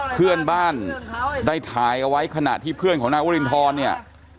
เพื่อนบ้านได้ถ่ายเอาไว้ขณะที่เพื่อนของนายวรินทรเนี่ย